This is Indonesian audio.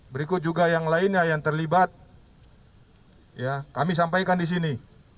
berikut juga yang lainnya yang terlibat kami sampaikan di sini